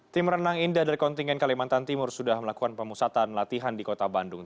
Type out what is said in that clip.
tim renang indah dari kontingen kalimantan timur sudah melakukan pemusatan latihan di kota bandung